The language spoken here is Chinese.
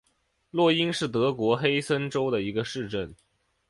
洛因是德国黑森州的一个市镇。